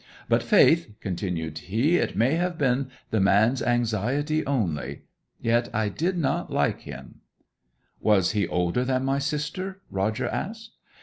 But, faith,' continued he, 'it may have been the man's anxiety only. Yet did I not like him.' 'Was he older than my sister?' Roger asked.